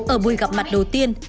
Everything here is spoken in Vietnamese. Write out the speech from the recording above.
ở buổi gặp mặt đầu tiên